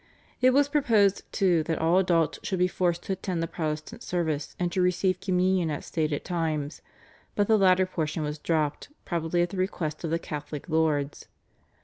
It was proposed too that all adults should be forced to attend the Protestant service and to receive Communion at stated times, but the latter portion was dropped probably at the request of the Catholic lords.